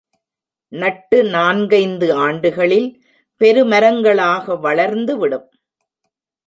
நட்டு நான்கைந்து ஆண்டுகளில் பெரு மரங்களாக வளர்ந்து விடும்.